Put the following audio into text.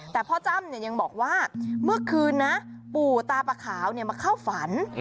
แต่พ่อจ้ำยังบอกว่าเมื่อคืนนะปู่ตาปะขาวมาเข้าฝัน